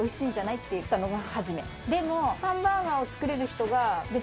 でも。